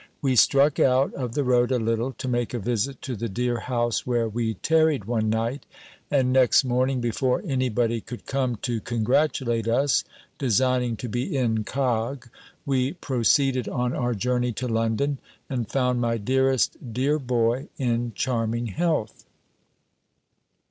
We struck out of the road a little, to make a visit to the dear house, where we tarried one night; and next morning before any body could come to congratulate us (designing to be incog.), we proceeded on our journey to London, and found my dearest, dear boy, in charming health.